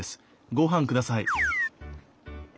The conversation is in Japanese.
ご飯ください。